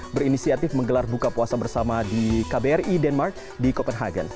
berinisiatif menggelar buka puasa bersama di kbri denmark di copenhagen